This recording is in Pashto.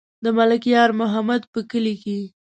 د ملک یار محمد په کلي کې.